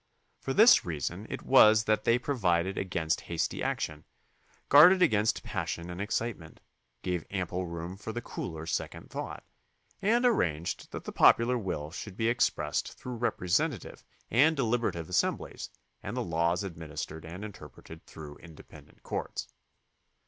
For this reason it was that they provided against hasty action, guarded against passion and excite ment, gave ample room for the cooler second thought, and airanged that the popular will should be expressed through representative and deliberative assemblies and the laws administered and interpreted through inde pendent courts.